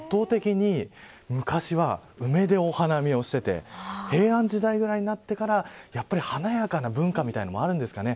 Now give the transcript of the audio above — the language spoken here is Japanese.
圧倒的に昔は梅でお花見をしていて平安時代になってからやっぱり華やかな文化というのもあるんですかね